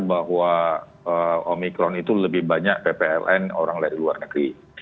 bahwa omikron itu lebih banyak ppln orang dari luar negeri